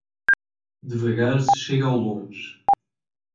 Devagar se chega ao longe.